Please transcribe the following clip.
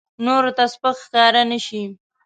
نورو ته سپک ښکاره نه شي.